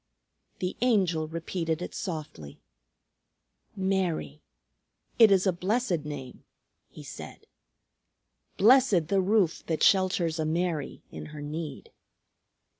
The Angel repeated it softly. "Mary. It is a blessed name," he said. "Blessed the roof that shelters a Mary in her need."